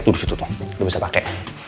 tuh disitu tuh lo bisa pake